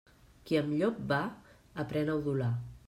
Qui amb llop va, aprén a udolar.